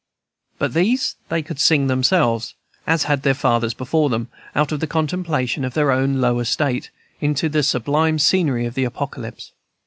By these they could sing themselves, as had their fathers before them, out of the contemplation of their own low estate, into the sublime scenery of the Apocalypse.